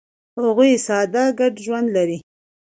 هغوی ساده ګډ ژوند لري.